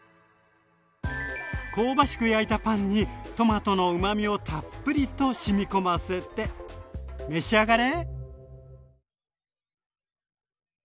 香ばしく焼いたパンにトマトのうまみをたっぷりとしみこませて召し上がれ！